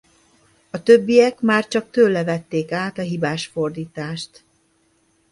A többiek már csak tőle vették át a hibás fordítást.